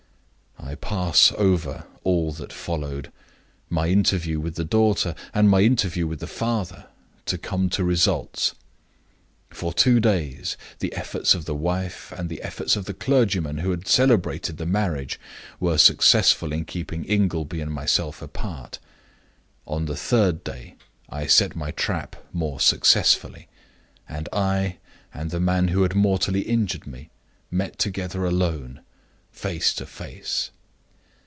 I pass over all that followed my interview with the daughter, and my interview with the father to come to results. For two days the efforts of the wife, and the efforts of the clergyman who had celebrated the marriage, were successful in keeping Ingleby and myself apart. On the third day I set my trap more successfully, and I and the man who had mortally injured me met together alone, face to face.